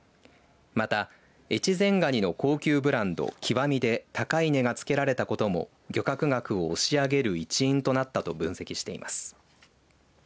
また越前がにの高級ブランド極で高い値がつけられたことも漁獲額を押し上げる一因となったと分析しています。